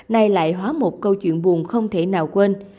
nay lại hóa một câu chuyện buồn không thể nào quên